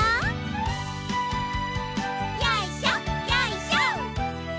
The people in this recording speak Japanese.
よいしょよいしょ。